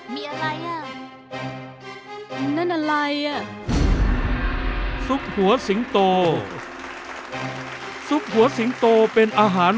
มีอะไรอ่ะนั่นอะไรอ่ะซุกหัวสิงโตซุกหัวสิงโตเป็นอาหาร